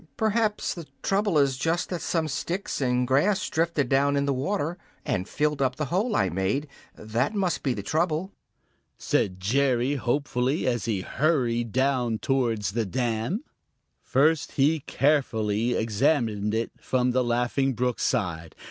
"Perhaps the trouble is just that some sticks and grass drifted down in the water and filled up the hole I made; that must be the trouble," said Jerry hopefully, as he hurried towards the dam. First he carefully examined it from the Laughing Brook side.